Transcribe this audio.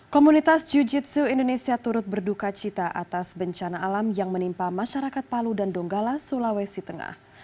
komunitas jiu jitsu indonesia turut berduka cita atas bencana alam yang menimpa masyarakat palu dan donggala sulawesi tengah